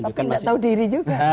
tapi nggak tahu diri juga